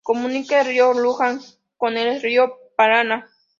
Comunica al Río Luján con el Río Paraná.